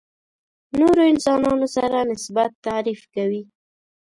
نورو انسانانو سره نسبت تعریف کوي.